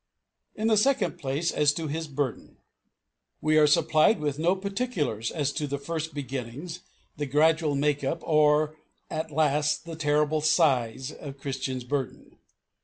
2. In the second place, and as to his burden. We are supplied with no particulars as to the first beginnings, the gradual make up, and at last the terrible size of Christian's burden.